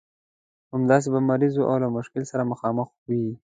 همداسې به مریض وي او له مشکل سره مخامخ وي.